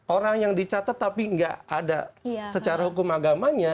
orang yang dicatat tapi nggak ada secara hukum agamanya